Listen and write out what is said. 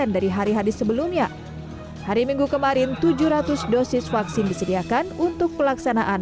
dari hari hari sebelumnya hari minggu kemarin tujuh ratus dosis vaksin disediakan untuk pelaksanaan